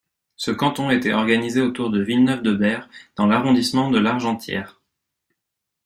Ce canton était organisé autour de Villeneuve-de-Berg dans l'arrondissement de Largentière.